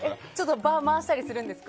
場を回したりするんですか？